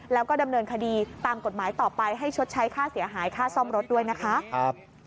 แล้วก็ดำเนินคดีตามกฎหมายต่อไปให้ชดใช้ค่าเสียหายค่าซ่อมรถด้วยนะคะ